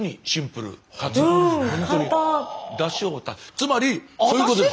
つまりそういうことです。